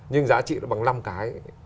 nhưng giá trị nó bằng năm cái